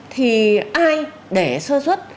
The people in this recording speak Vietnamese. thì ai để sơ xuất